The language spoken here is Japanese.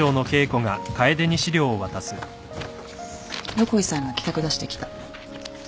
横井さんが企画出してきた。